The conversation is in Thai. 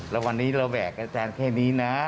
แล้ววันนี้เราแบกอาจารย์แค่นี้นะ